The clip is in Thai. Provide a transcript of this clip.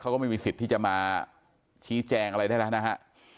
ก็มีสิทธิ์ที่จะมาชี้แจงอะไรได้แล้วนะฮะ